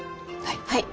はい。